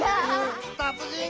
たつじん